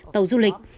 tàu du lịch